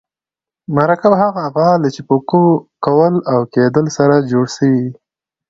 مرکب هغه افعال دي، چي په کول او کېدل سره جوړ سوي یي.